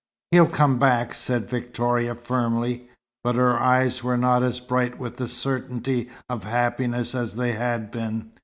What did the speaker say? "He'll come back," said Victoria, firmly. But her eyes were not as bright with the certainty of happiness as they had been.